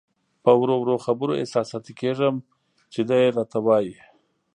په وړو وړو خبرو احساساتي کېږم چې دی راته وایي.